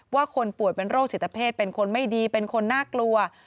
คนป่วยเป็นโรคจิตเพศเป็นคนไม่ดีเป็นคนน่ากลัว